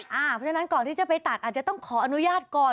เพราะฉะนั้นก่อนที่จะไปตัดอาจจะต้องขออนุญาตก่อน